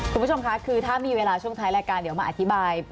คุณผู้ชมคะคือถ้ามีเวลาช่วงท้ายรายการเดี๋ยวมาอธิบาย